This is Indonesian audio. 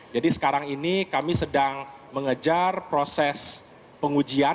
jadi sekarang ini kami sedang mengejar proses pengujian